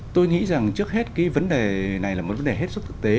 tôi nghĩ rằng trước hết cái vấn đề này là một vấn đề hết sức thực tế